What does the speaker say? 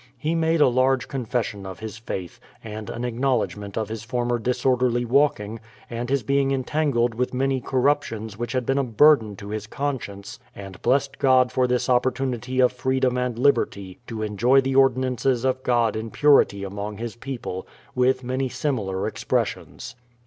He made a large confession of his faith, and an acknowledgment of his former dis orderly walking, and his being entangled with many cor ruptions which had been a burden to his conscience and blessed God for this opportunity of freedom and liberty to enjoy the ordinances of God in purity among His people, with many similar expressions.